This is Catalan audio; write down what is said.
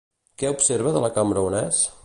Què observa de la cambra on és?